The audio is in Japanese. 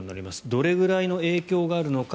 どれぐらいの影響があるのか。